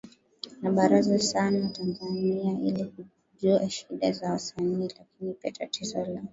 na Baraza sanaa tanzania ili kujua shida za wasanii lakini pia tatizo la